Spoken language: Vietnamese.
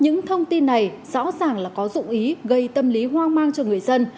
những thông tin này rõ ràng là có dụng ý gây tâm lý hoang mang cho người dân